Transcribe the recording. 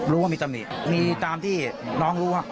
รู้ว่ามีตำหนิมีตามที่น้องรู้ว่า